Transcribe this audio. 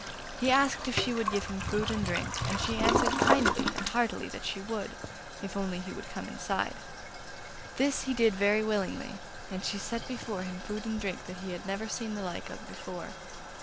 He asked if she would give him food and drink, and she answered kindly and heartily that she would, if he would only come inside. This he did very willingly, and she set before him food and drink that he had never seen the like of before.